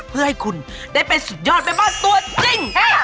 เพื่อให้คุณได้เป็นสุดยอดแม่บ้านตัวจริง